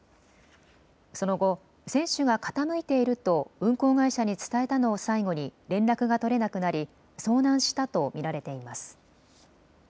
その後、船首が傾いていると運航会社に伝えたのを最後に連絡が取れなくなり遭難したと見られています。